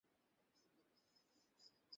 কিন্তু বোনের সাথে ভালো সময় কাটিয়েছি।